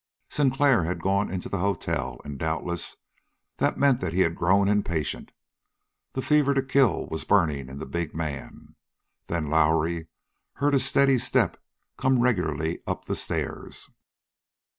Sinclair had gone into the hotel, and doubtless that meant that he had grown impatient. The fever to kill was burning in the big man. Then Lowrie heard a steady step come regularly up the stairs.